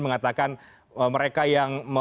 mengatakan mereka yang